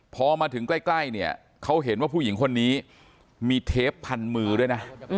พอมาถึงใกล้เนี่ยเขาเห็นว่าผู้หญิงคนนี้มีเทปพันมือด้วยนะ